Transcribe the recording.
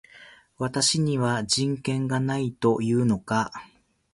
私には人権がないと言うのか